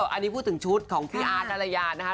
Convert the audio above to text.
อันนี้พูดถึงชุดของพี่อาร์ตนารยานะคะ